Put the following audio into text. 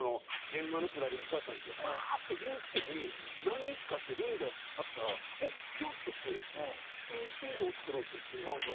電話のくだりもそうやったんですけどバーッて言うくせに何日かしてルミネで会ったらもうケロッとして「何してんの？」って来るんですよ。